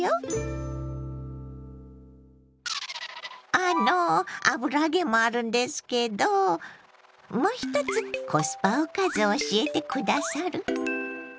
あの油揚げもあるんですけどもう一つコスパおかず教えて下さる？